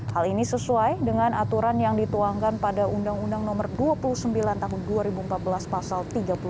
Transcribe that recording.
hal ini sesuai dengan aturan yang dituangkan pada undang undang nomor dua puluh sembilan tahun dua ribu empat belas pasal tiga puluh delapan